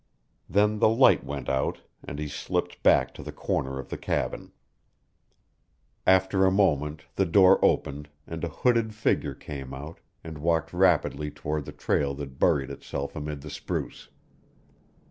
Then the light went out, and he slipped back to the corner of the cabin. After a moment the door opened, and a hooded figure came out, and walked rapidly toward the trail that buried itself amid the spruce.